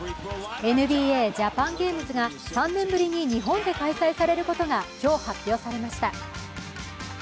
ＮＢＡジャパンゲームズが３年ぶりに、日本で開催されることが今日、発表されました。